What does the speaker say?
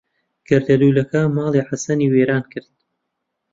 گەردەلوولەکە ماڵی حەسەنی وێران کرد.